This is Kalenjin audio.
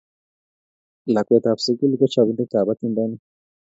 Lakwetap sukul ko chopindetap atindonik